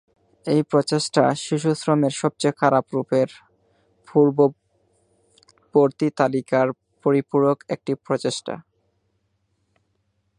এই প্রচেষ্টা শিশুশ্রমের সবচেয়ে খারাপ রূপের পূর্ববর্তী তালিকার পরিপূরক একটি প্রচেষ্টা।